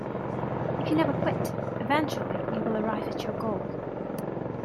If you never quit, eventually you will arrive at your goal.